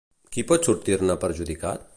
Qui pot sortir-ne perjudicat?